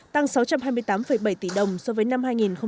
tăng sáu trăm hai mươi tám bảy tỷ đồng so với năm hai nghìn một mươi bảy